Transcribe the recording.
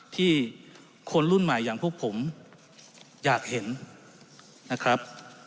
ที่คนรุ่นใหม่อย่างพวกผมอยากเห็นนะครับ